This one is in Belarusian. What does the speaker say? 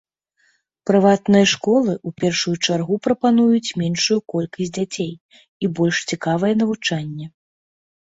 Прыватныя школы ў першую чаргу прапануюць меншую колькасць дзяцей і больш цікавае навучанне.